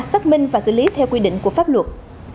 xác minh và xử lý theo quy định của pháp luật